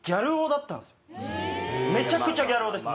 めちゃくちゃギャル男です。